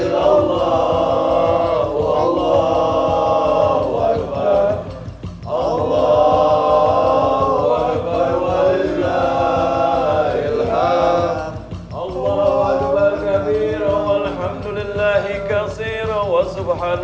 sam ayo teman teman